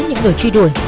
những người truy đuổi